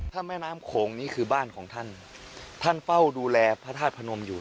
ถ้าแม่น้ำโขงนี่คือบ้านของท่านท่านเฝ้าดูแลพระธาตุพนมอยู่